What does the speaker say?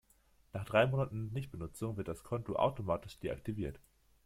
Nach drei Monaten Nichtbenutzung wird das Konto automatisch deaktiviert.